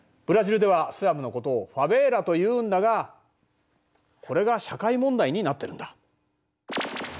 ブラジルではスラムのことをファベーラというんだがこれが社会問題になってるんだ。